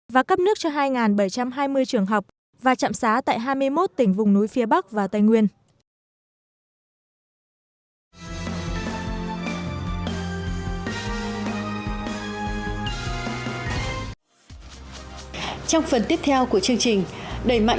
và cấp nước cho hai bảy trăm hai mươi trường học